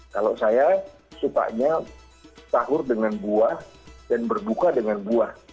kalau saya sukanya sahur dengan buah dan berbuka dengan buah